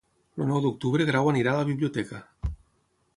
El nou d'octubre en Grau anirà a la biblioteca.